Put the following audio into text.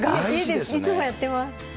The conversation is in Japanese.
いつもやってます。